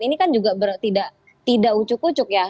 ini kan juga tidak ucuk ucuk ya